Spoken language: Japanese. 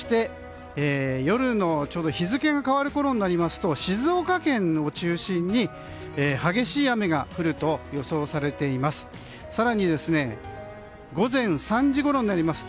夜の、ちょうど日付が変わるころになりますと静岡県を中心に激しい雨が降ると予想されています。